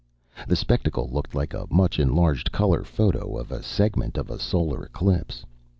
The spectacle looked like a much enlarged color photo of a segment of a solar eclipse.